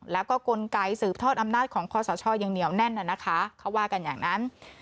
แล้วก็กลไกสืบทอดอำนาจของคอสชยังเหนียวแน่นน่ะนะคะเขาว่ากันอย่างนั้น